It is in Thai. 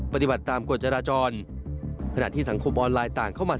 ปฏิบัติตามกฎจราจรขณะที่สังคมออนไลน์ต่างเข้ามา